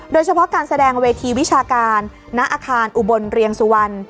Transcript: โดยเฉพาะการแสดงเวทีวิชาการณอาคารอุบลเรียงสุวรรณ